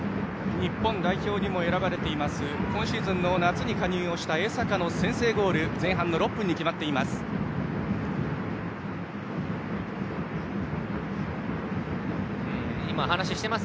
日本代表にも選ばれている今シーズンの夏に加入した江坂の先制ゴールが前半の６分に決まっています。